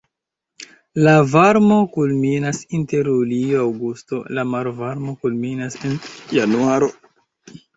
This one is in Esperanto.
La varmo kulminas inter julio-aŭgusto, la malvarmo kulminas en januaro.